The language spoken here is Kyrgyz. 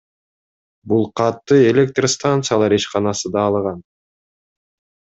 Бул катты Электр станциялар ишканасы да алган.